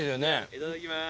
いただきます。